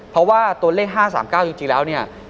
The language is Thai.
เพราะว่าตัวเลข๕๓๙จริงแล้วเนี่ย